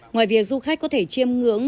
ngoài việc du khách có thể chiêm ngưỡng